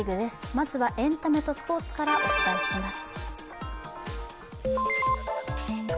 まずはエンタメとスポーツからお伝えします。